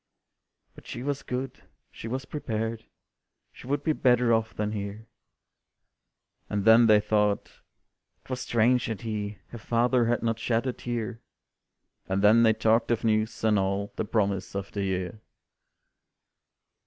"But she was good, she was prepared, She would be better off than here," And then they thought "'twas strange that he, Her father, had not shed a tear," And then they talked of news, and all The promise of the year.